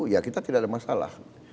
ya kita tidak ada masalah